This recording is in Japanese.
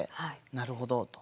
なるほどと。